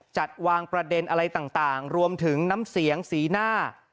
จัดวางประเด็นอะไรต่างรวมถึงน้ำเสียงสีหน้า